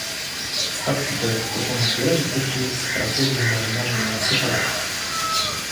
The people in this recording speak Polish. Statki te tworzą wiele nowych miejsc pracy dla marynarzy na Seszelach